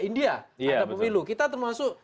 india ada pemilu kita termasuk